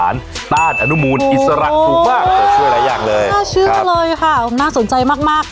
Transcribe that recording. น่าเชื่อเลยค่ะน่าสนใจมาก